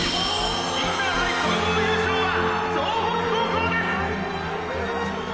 「インターハイ総合優勝は総北高校です！！」